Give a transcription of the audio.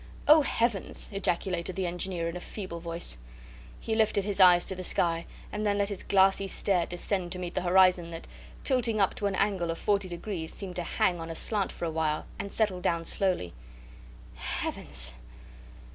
"Oh, Heavens!" ejaculated the engineer in a feeble voice. He lifted his eyes to the sky, and then let his glassy stare descend to meet the horizon that, tilting up to an angle of forty degrees, seemed to hang on a slant for a while and settled down slowly. "Heavens!